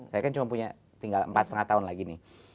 saya kan cuma punya tinggal empat lima tahun lagi nih